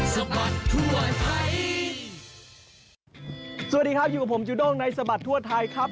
สวัสดีครับอยู่กับผมจูด้งในสบัดทั่วไทยครับ